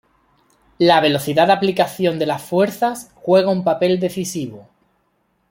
La velocidad de aplicación de las fuerzas juega un papel decisivo.